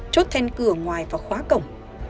chốt then cửa ngoài và khóa cổng